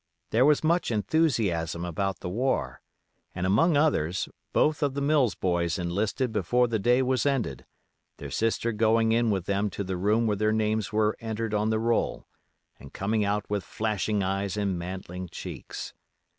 There was much enthusiasm about the war, and among others, both of the Mills boys enlisted before the day was ended, their sister going in with them to the room where their names were entered on the roll, and coming out with flashing eyes and mantling cheeks.